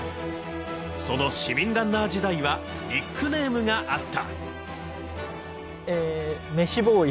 その市民ランナー時代はニックネームがあった。